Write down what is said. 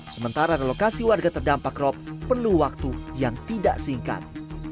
sementara relokasi warga terdampak rop perlu waktu yang tidak singkat